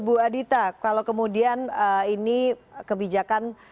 bu adita kalau kemudian ini kebijakan